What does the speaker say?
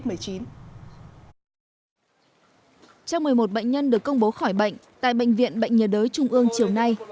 trong một mươi một bệnh nhân được công bố khỏi bệnh tại bệnh viện bệnh nhiệt đới trung ương chiều nay